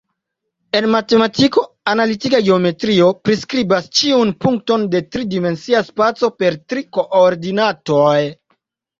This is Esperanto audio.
En matematiko, analitika geometrio, priskribas ĉiun punkton de tri-dimensia spaco per tri koordinatoj.